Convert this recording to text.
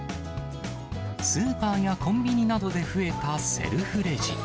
スーパーやコンビニなどで増えたセルフレジ。